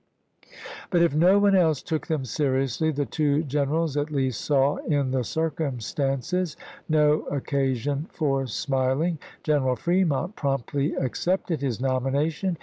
But if no one else took them seriously, the two generals at least saw in the circumstances no occa sion for smiling. General Fremont promptly ac cepted his nomination.